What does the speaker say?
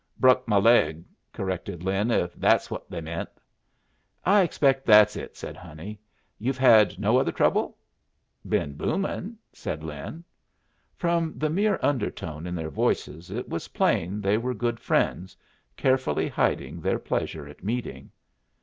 "Bruck my leg," corrected Lin, "if that's what they meant." "I expect that's it," said Honey. "You've had no other trouble?" "Been boomin'," said Lin. From the mere undertone in their voices it was plain they were good friends, carefully hiding their pleasure at meeting.